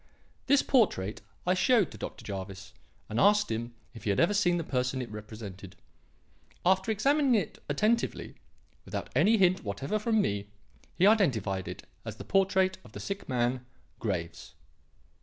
This portrait I showed to Dr. Jervis and asked him if he had ever seen the person it represented. After examining it attentively, without any hint whatever from me, he identified it as the portrait of the sick man, Graves."